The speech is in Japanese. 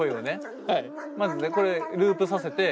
まずねこれループさせて。